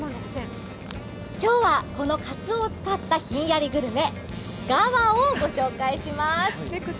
今日はこのカツオを使ったひんやりグルメ、がわをご紹介します。